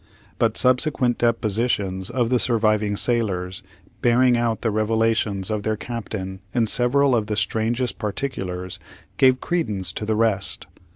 But subsequent depositions of the surviving sailors, bearing out the revelations of their captain in several of the strangest particulars, gave credence to the rest.